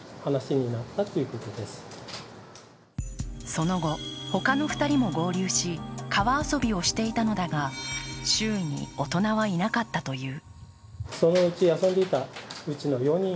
その後、他の２人も合流し川遊びをしていたのだが周囲に大人はいなかったという。